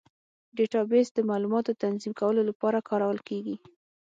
ډیټابیس د معلوماتو تنظیم کولو لپاره کارول کېږي.